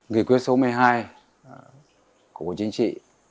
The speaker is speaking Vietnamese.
nghị quyết số một mươi hai của bộ chính trị